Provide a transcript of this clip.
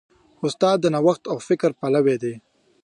استاد د نوښت او فکر پلوی دی.